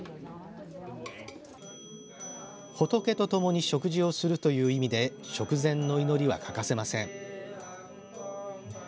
仏と共に食事をするという意味で食前の祈りは欠かせません。